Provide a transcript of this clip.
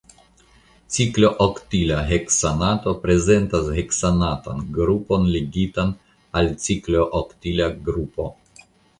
Ciklooktila heksanato prezentas heksanatan grupon ligitan al ciklooktila grupo.